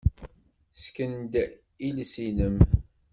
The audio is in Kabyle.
Ssken-d iles-nnem.